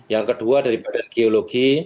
dan kami juga meminta dari bnkg